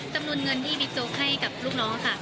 จำนวนเงินที่บิ๊กโจ๊กให้กับลูกน้องค่ะ